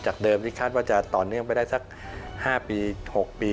เดิมที่คาดว่าจะต่อเนื่องไปได้สัก๕ปี๖ปี